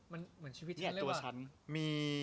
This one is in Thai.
มันเหมือนชีวิตฉันหรือเปล่า